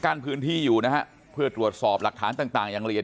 กั้นพื้นที่อยู่นะฮะเพื่อตรวจสอบหลักฐานต่างอย่างเลียด